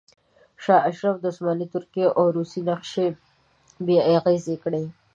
شاه اشرف د عثماني ترکیې او روسیې نقشې بې اغیزې کړې.